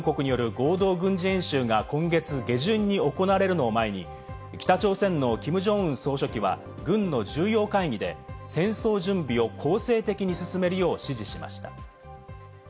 アメリカと韓国による合同軍事演習が今月下旬に行われるのを前に、北朝鮮のキム・ジョンウン総書記は軍の重要会議で戦争準備を攻勢的に進めるよう指示しました。